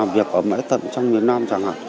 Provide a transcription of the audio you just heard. đẹp ở mẽ tận trong miền nam chẳng hạn